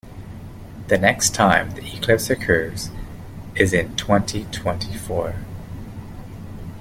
The next time the eclipse occurs is in twenty-twenty-four.